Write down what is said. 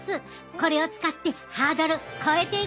これを使ってハードル越えていくで！